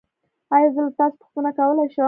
ایا زه له تاسو پوښتنه کولی شم؟